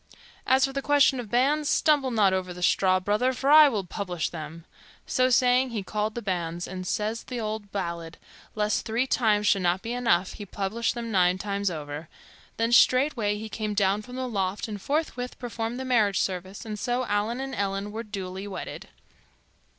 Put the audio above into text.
As for the question of banns, stumble not over that straw, brother, for I will publish them." So saying, he called the banns; and, says the old ballad, lest three times should not be enough, he published them nine times o'er. Then straightway he came down from the loft and forthwith performed the marriage service; and so Allan and Ellen were duly wedded.